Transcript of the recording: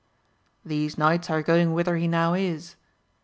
— ^These knights are going whither he now is.